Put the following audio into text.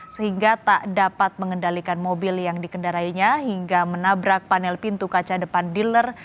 sehingga tak dapat mengendalikan mobil yang dikendarainya hingga menabrak panel pintu kaca depan dealer